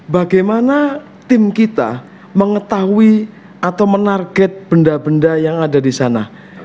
bagaimana tim kita mengetahui atau menarget benda benda yang ada di sana